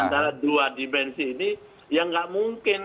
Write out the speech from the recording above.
antara dua dimensi ini ya nggak mungkin